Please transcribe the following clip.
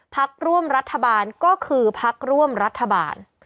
พักร่วมรัฐบาลก็คือพักร่วมรัฐบาล